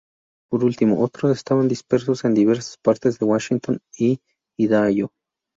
Por último, otros estaban dispersos en diversas partes de Washington y Idaho.